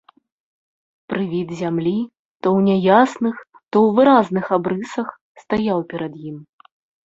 Прывід зямлі, то ў няясных, то ў выразных абрысах, стаяў перад ім.